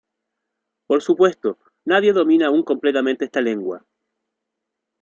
Por supuesto, nadie domina aun completamente esta lengua.